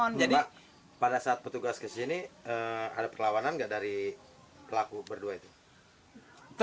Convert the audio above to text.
pada saat petugas kesini ada perlawanan nggak dari pelaku berdua itu